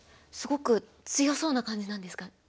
すごく強そうな感じなんですか？